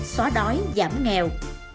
xóa đói giảm nghèo